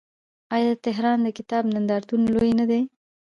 آیا د تهران د کتاب نندارتون لوی نه دی؟